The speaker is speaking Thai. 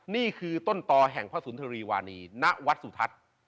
นี่คือต้นต่อแห่งพระสุนทรีวานีณวัดสุทัศน์